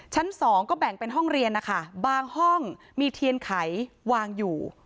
ชั้นสองก็แบ่งเป็นห้องเรียนนะคะบางห้องมีเทียนไขวางอยู่